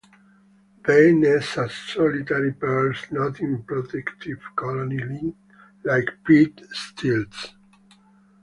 They nest as solitary pairs, not in a protective colony like pied stilts.